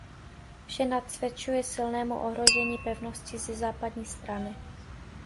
Vše nasvědčuje silnému ohrožení pevnosti ze západní strany.